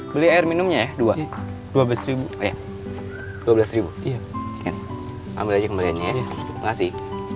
beli air minumnya ya dua dua belas ribu eh dua belas iya ambil aja kembaliannya ya ngasih